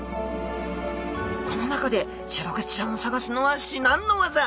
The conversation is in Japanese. この中でシログチちゃんを探すのは至難のワザ。